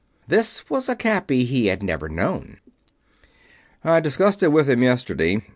This was a Cappy he had never known. "I discussed it with him yesterday.